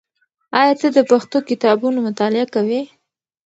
آیا ته د پښتو کتابونو مطالعه کوې؟